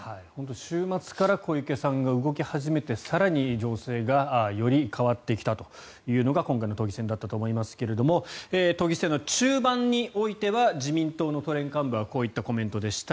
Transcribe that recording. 週末から小池さんが動き始めて更に情勢がより変わってきたというのが今回の都議選だったと思いますが都議選の中盤においては自民党の都連幹部はこういったコメントでした。